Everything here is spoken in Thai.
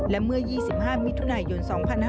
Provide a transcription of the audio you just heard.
และเมื่อ๒๕มิถุนายน๒๕๕๙